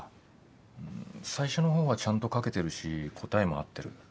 最初のほうはちゃんと書けてるし答えも合ってる。